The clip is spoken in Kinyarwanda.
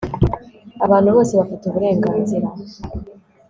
abantu bose bafite uburenganzira